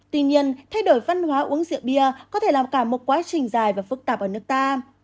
tuy nhiên thay đổi văn hóa uống rượu bia có thể làm cả một quá trình dài và phức tạp ở nước ta